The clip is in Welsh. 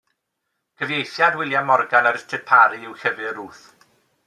Cyfieithiad William Morgan a Richard Parry yw Llyfr Ruth.